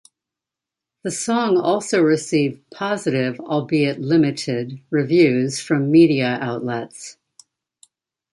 The song also received positive-albeit limited-reviews from media outlets.